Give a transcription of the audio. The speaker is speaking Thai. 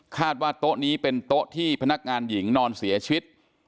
ว่าโต๊ะนี้เป็นโต๊ะที่พนักงานหญิงนอนเสียชีวิต